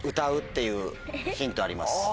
いうヒントあります。